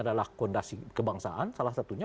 adalah fondasi kebangsaan salah satunya